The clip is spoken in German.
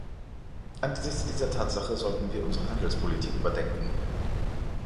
Angesichts dieser Tatsache sollten wir unsere Handelspolitik überdenken.